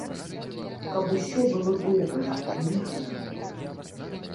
Каб усё было добра, мірна.